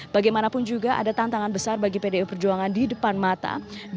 bagaimanapun juga ada tantangan besar bagi pdi perjuangan di depan mata